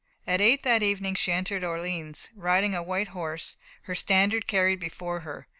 At eight that evening she entered Orleans, riding a white horse, her standard carried before her.